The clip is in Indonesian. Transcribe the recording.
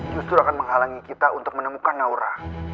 justru akan menghalangi kita untuk menemukan naura